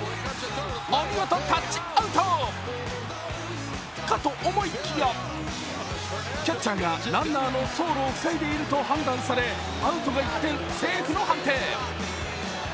お見事、タッチアウトかと思いきや、キャッチャーがランナーの走路を塞いでいると判断されアウトが一転、セーフの判定。